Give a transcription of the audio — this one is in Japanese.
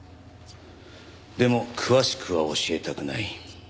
でも詳しくは教えたくない。